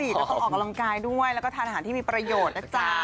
แล้วต้องออกกำลังกายด้วยแล้วก็ทานอาหารที่มีประโยชน์นะจ๊ะ